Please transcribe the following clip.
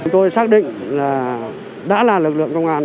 tôi xác định là đã là lực lượng công an